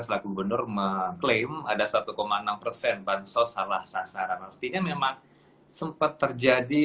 selaku gubernur mengklaim ada satu enam persen bansos salah sasaran artinya memang sempat terjadi